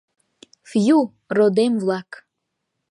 Фью, родем-влак!